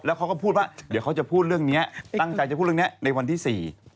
เขาก็พูดว่าเดี๋ยวเขาจะพูดเรื่องนี้ตั้งใจจะพูดเรื่องนี้ในวันที่สี่